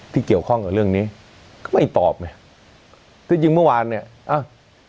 ที่เกี่ยวข้องกับเรื่องนี้ก็ไม่ตอบไงก็จริงเมื่อวานเนี้ยอ้าว